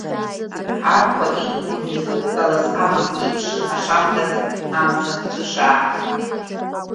Абхәа иқәгәыӷны икыдтәалаз амаҳә иеиԥшын ашамҭаз амза-ахцәышаа.